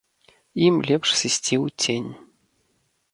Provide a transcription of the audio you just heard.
Ім лепш сысці ў цень.